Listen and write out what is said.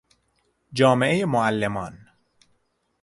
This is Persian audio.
جامعهی معلمان